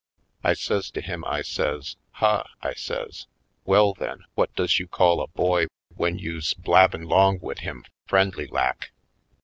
I says to him, I says: "Huh!" I says. "Well, then, whut does you call a boy w'en you's blabbin' 'long wid him friendly lak?"